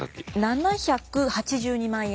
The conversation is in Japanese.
７８２万円。